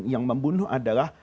yang membunuh adalah